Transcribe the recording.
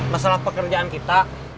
masalah pekerjaan kita